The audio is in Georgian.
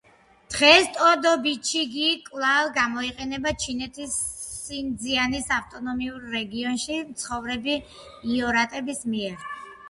დღეს ტოდო-ბიჩიგი კვლავ გამოიყენება ჩინეთის სინძიანის ავტონომიურ რეგიონში მცხოვრები ოირატების მიერ.